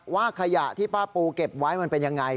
ว่าขยะที่ป้าปูเก็บไว้มันเป็นยังไง